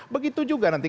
begitu juga nanti